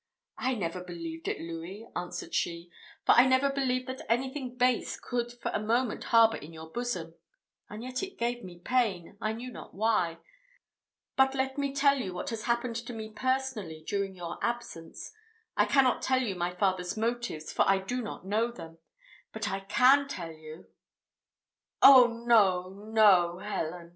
"I never believed it, Louis," answered she; "for I never believed that anything base could for a moment harbour in your bosom; and yet it gave me pain, I knew not why. But let me tell you what has happened to me personally during your absence. I cannot tell you my father's motives, for I do not know them, but I can tell you " "Oh no, no, Ellen!"